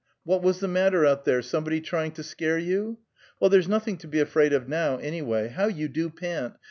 What was the matter out there? Somebody trying to scare you? Well, there's nothing to be afraid of now, anyway. How you do pant!